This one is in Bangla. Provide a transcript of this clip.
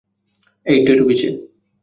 এই ট্যাটু কীসের?